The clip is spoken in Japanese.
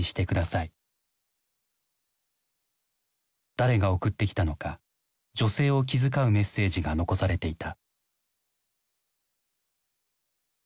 誰が送ってきたのか女性を気遣うメッセージが残されていた。